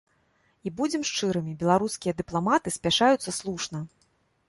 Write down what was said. І, будзем шчырымі, беларускія дыпламаты спяшаюцца слушна.